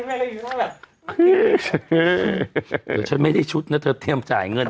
เดี๋ยวฉันไม่ไดุ้ดนะจนเทียบจ่ายเงิน